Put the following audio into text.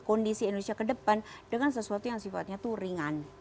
kondisi indonesia ke depan dengan sesuatu yang sifatnya itu ringan